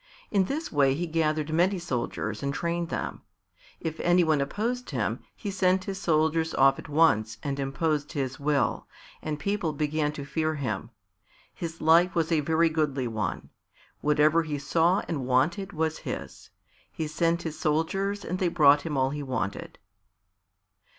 In this way he gathered many soldiers and trained them. If any one opposed him he sent his soldiers off at once and imposed his will, and people began to fear him. His life was a very goodly one. Whatever he saw and wanted was his. He sent his soldiers and they brought him all he wanted.